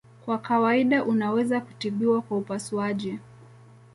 Kwa kawaida unaweza kutibiwa kwa upasuaji.